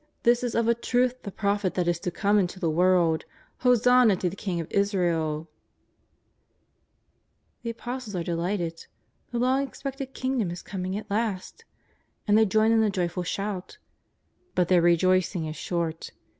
This is of a truth the Prophet that is to come into the world ! Hosanna to the King of Israel !" The Apostles are delighted. The long expected Kingdom is coming at last ! And they join in the joyful shout. But their rejoicing is short.